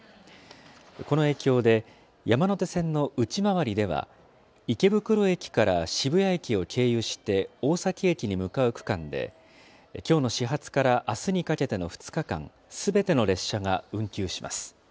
この影響で、山手線の内回りでは、池袋駅から渋谷駅を経由して大崎駅に向かう区間で、きょうの始発からあすにかけての２日間、すべての列車が運休します。